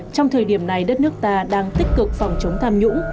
trong thời điểm này đất nước ta đang tích cực phòng chống tham nhũng